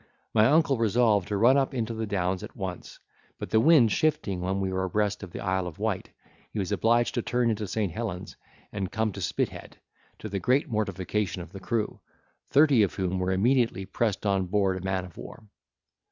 My uncle resolved to run up into the Downs at once, but the wind shifting when we were abreast of the Isle of Wight, he was obliged to turn into St. Helen's, and come to Spithead, to the great mortification of the crew, thirty of whom were immediately pressed on board a man of war.